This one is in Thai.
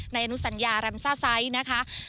ในอนุสัญญารัมซ่าไซค์นะคะ